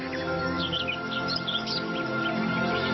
สำหรับเชราะหวังก็ตามชาวบ้านก็โสกเศร้ากันครับ